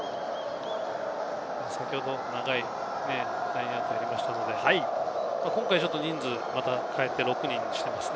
先ほど長いラインアウトを入れましたので、今回ちょっと人数を代えて６人にしていますね。